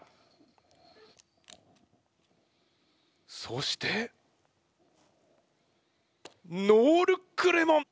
そしてノールックレモン！